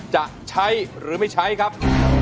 จะใช้หรือไม่ใช้ครับ